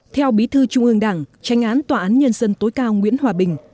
theo bí thư trung ương đảng tranh án tòa án nhân dân tối cao nguyễn hòa bình